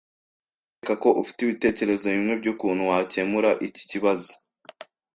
Ndakeka ko ufite ibitekerezo bimwe byukuntu wakemura iki kibazo.